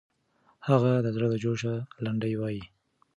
هغه د زړه له جوشه لنډۍ وایي.